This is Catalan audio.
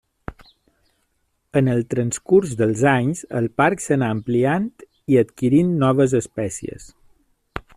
En el transcurs dels anys, el parc s'anà ampliant i adquirint noves espècies.